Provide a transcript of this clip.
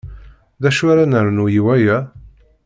D acu ara ad nernu i waya?